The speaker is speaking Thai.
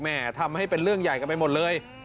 ทำให้เป็นเรื่องใหญ่กันไปหมดเลย